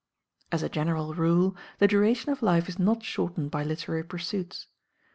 As a general rule, the duration of life is not shortened by literary pursuits.